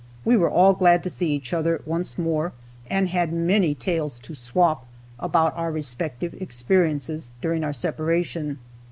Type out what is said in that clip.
We were all glad to see each other once more, and had many tales to "swap," about our respective experiences during our separation.